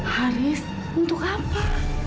haris untuk apa